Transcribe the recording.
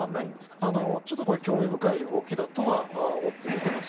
これちょっと興味深い動きだとは思って見ています。